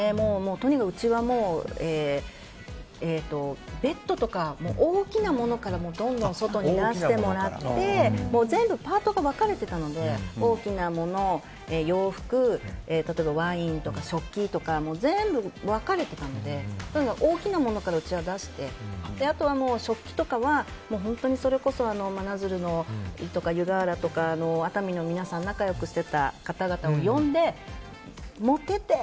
とにかく、うちはベッドとか大きなものからどんどん外に出してもらって全部パートが分かれてたので大きなもの、洋服、ワインとか食器とか全部分かれていたので大きなものからうちは出してあとは、食器とかは本当にそれこそ真鶴とか湯河原とか熱海の皆さん仲良くしてた方々を呼んで持ってって！